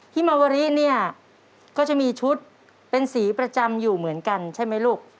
มาวริเนี่ยก็จะมีชุดเป็นสีประจำอยู่เหมือนกันใช่ไหมลูก